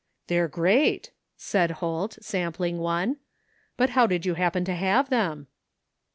"They're great," said Holt, sampling one, "but how did you happen to have them?